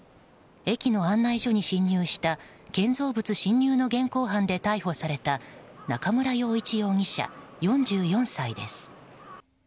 駅の案内所に侵入した建造物侵入の現行犯で逮捕された中村陽一容疑者、４４歳です。